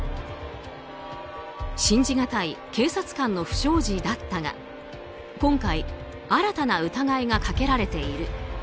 信じがたい警察官の不祥事だったが今回、新たな疑いがかけられている。